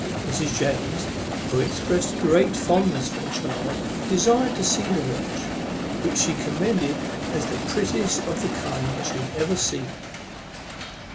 Mrs. James, who exprest great fondness for the child, desired to see the watch, which she commended as the prettiest of the kind she had ever seen.